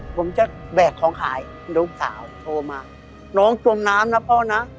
ผมจะแบกของขายลูกสาวโทรมาน้องจมน้ำนะพ่อนะ